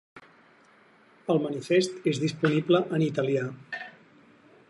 El manifest és disponible en italià.